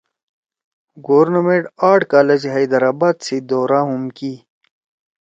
گورنمنٹ آرٹ کالج حیدرآباد سی دورا ہُم کی